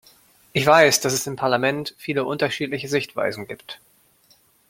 Ich weiß, dass es im Parlament viele unterschiedliche Sichtweisen gibt.